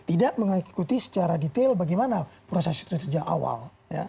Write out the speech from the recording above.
tidak mengikuti secara detail bagaimana proses itu sejak awal